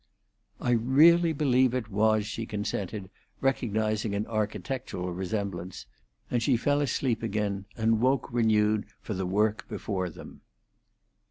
"I really believe it was," she consented, recognizing an architectural resemblance, and she fell asleep again, and woke renewed for the work before them.